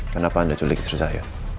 kenapa anda culik istri saya